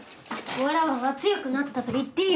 わらわは強くなったと言っている。